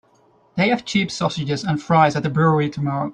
They have cheap sausages and fries at the brewery tomorrow.